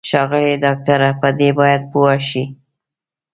ښاغلی ډاکټره په دې باید پوه شې.